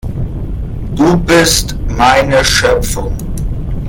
Du bist meine Schöpfung.